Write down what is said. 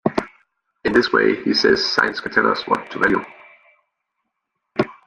In this way, he says, science can tell us what to value.